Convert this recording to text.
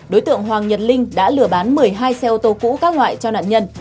đối tượng hoàng nhật linh đã lừa bán một mươi hai xe ô tô cũ các loại cho nạn nhân